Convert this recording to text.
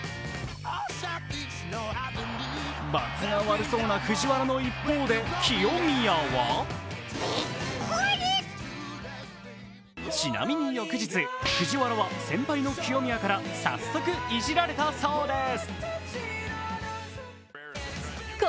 ばつが悪そうな藤原の一方で清宮はちなみに翌日、藤原は先輩の清宮から早速いじられたそうです。